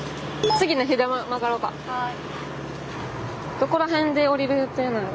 どこら辺で降りる予定なんやろ？